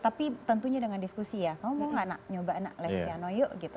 tapi tentunya dengan diskusi ya kamu mau gak nak coba les piano yuk